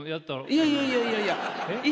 いやいやいやいやいや。